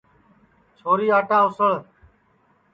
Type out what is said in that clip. چھوری آٹا اُسݪ